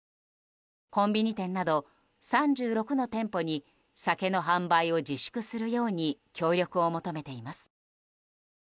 コンビニ店など３６の店舗に酒の販売を自粛するように協力を求めています。